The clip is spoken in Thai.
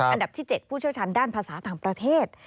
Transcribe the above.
อันดับที่๗ผู้เชี่ยวชาญด้านภาษาต่างประเทศ